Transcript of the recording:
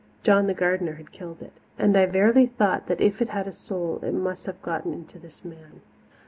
John, the gardener, had killed it, and I verily thought that if it had a soul, it must have gotten into this man.